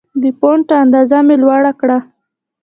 د فونټ اندازه مې لوړه کړه.